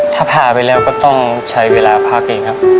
ถ้าพาไปแล้วก็ต้องใช้เวลาพักเองครับ